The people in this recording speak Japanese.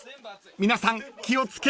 皆さん気を付けて］